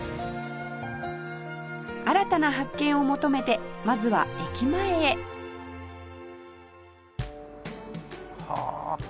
新たな発見を求めてまずは駅前へはあ。